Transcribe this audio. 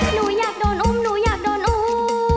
หนูอยากโดนอุ้มหนูอยากโดนอุ้ม